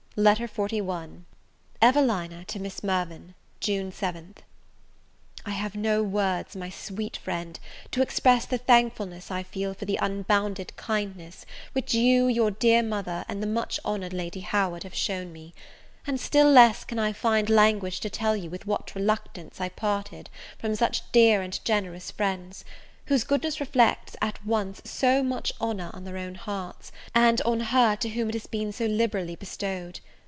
LETTER XLI EVELINA TO MISS MIRVAN June 7th I HAVE no words, my sweet friend, to express the thankfulness I feel for the unbounded kindness which you, your dear mother, and the much honoured Lady Howard, have shown me; and still less can I find language to tell you with what reluctance I parted from such dear and generous friends, whose goodness reflects, at once, so much honour on their own hearts, and on her to whom it has been so liberally bestowed.